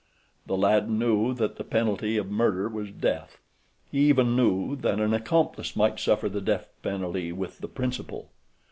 The lad knew that the penalty of murder was death. He even knew that an accomplice might suffer the death penalty with the principal.